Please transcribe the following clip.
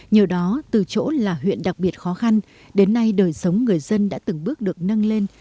nhờ đó từ chỗ là huyện đặc biệt khó khăn đến nay đời sống người dân đã từng bước được nâng lên